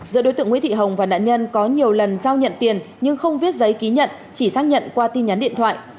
giữa đối tượng nguyễn thị hồng và nạn nhân có nhiều lần giao nhận tiền nhưng không viết giấy ký nhận chỉ xác nhận qua tin nhắn điện thoại